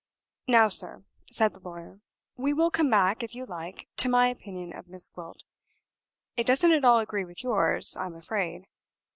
"Now, sir," said the lawyer, "we will come back, if you like, to my opinion of Miss Gwilt. It doesn't at all agree with yours, I'm afraid.